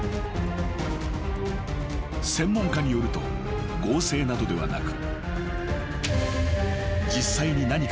［専門家によると合成などではなく］